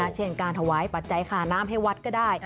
เช่นการถวายปัจจัยค่าน้ำให้วัดก็ได้